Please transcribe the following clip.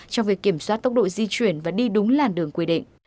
trong việc kiểm soát tốc độ di chuyển và đi đúng làn đường quy định